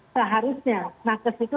seharusnya nakas itu